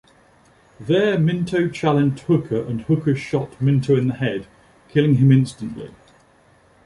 There Minto challenged Hooker, and Hooker shot Minto in the head, killing him instantly.